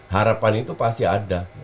harapan itu pasti ada